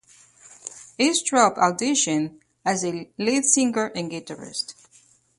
Eistrup auditioned as the lead singer and guitarist.